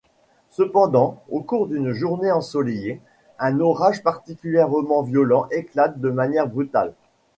Cependant, au cours d'une journée ensoleillée, un orage particulièrement violent éclate de manière brutale.